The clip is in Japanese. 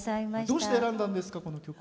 どうして選んだんですか？